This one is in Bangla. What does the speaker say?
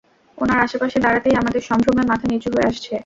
ওনার আশেপাশে দাঁড়াতেই আমাদের সম্ভ্রমে মাথা নিচু হয়ে আসছে।